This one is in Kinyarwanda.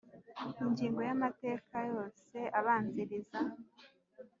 Ingingo z amateka yose abanziriza